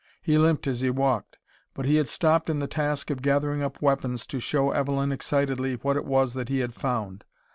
He limped as he walked. But he had stopped in the task of gathering up weapons to show Evelyn excitedly what it was that he had found.